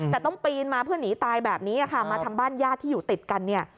แต่ต้องปีนมาเพื่อหนีตายแบบนี้ค่ะมาทางบ้านญาติที่อยู่ติดกันเนี่ย